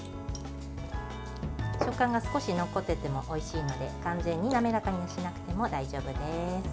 食感が少し残っていてもおいしいので完全に滑らかにしなくても大丈夫です。